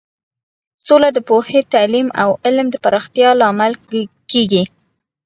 سوله د پوهې، تعلیم او علم د پراختیا لامل کیږي.